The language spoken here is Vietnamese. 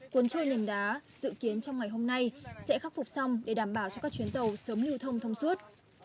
cuốn trôi nền đá dự kiến trong ngày hôm nay sẽ khắc phục xong để đảm bảo cho các chuyến tàu sớm lưu thông thông suốt